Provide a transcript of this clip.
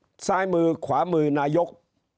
ซ้ายมือขวามือนายก